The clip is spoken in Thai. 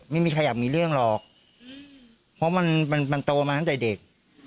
ไม่มีใครอยากมีเรื่องหรอกเพราะมันมันโตมาตั้งแต่เด็ก